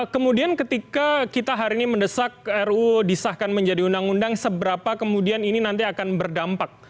kemudian ketika kita hari ini mendesak ru disahkan menjadi undang undang seberapa kemudian ini nanti akan berdampak